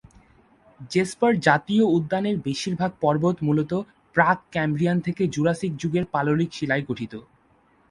Jesper জাতীয় উদ্যানের বেশিরভাগ পর্বত মূলত প্রাক-ক্যাম্ব্রিয়ান থেকে জুরাসিক যুগের পাললিক শিলায় গঠিত।